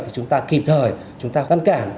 thì chúng ta kịp thời chúng ta tăn cản